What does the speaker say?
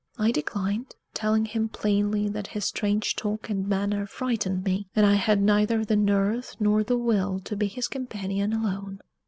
I declined, telling him plainly that his strange talk and manner frightened me, and I had neither the nerve nor the will to be his companion alone.